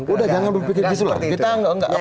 udah jangan berpikir gitu